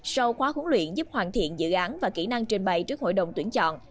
sau khóa huấn luyện giúp hoàn thiện dự án và kỹ năng trình bày trước hội đồng tuyên trọn